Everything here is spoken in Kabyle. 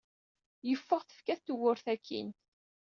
Yeffeɣ, tefka-t tewwurt akkin.